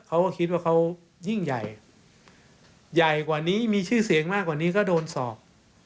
เขาก็คิดว่าเขายิ่งใหญ่ใหญ่กว่านี้มีชื่อเสียงมากกว่านี้ก็โดนสอบ